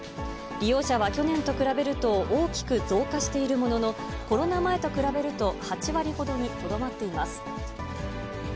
利用者は去年と比べると大きく増加しているものの、コロナ前と比べると、８割ほどにとどまっています。